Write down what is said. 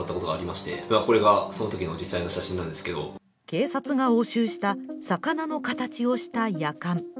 警察が押収した魚の形をしたやかん。